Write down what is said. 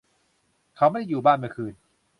เขาไม่ได้อยู่บ้านเมื่อคืน